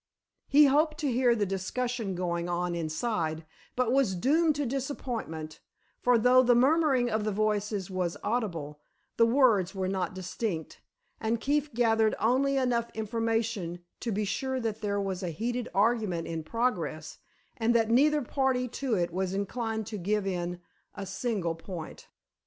He hoped to hear the discussion going on inside, but was doomed to disappointment, for though the murmuring of the voices was audible, the words were not distinct, and Keefe gathered only enough information to be sure that there was a heated argument in progress and that neither party to it was inclined to give in a single point.